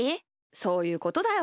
そういうことだよ。